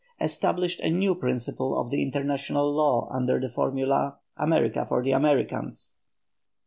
established a new principle of international law under the formula "America for the Americans."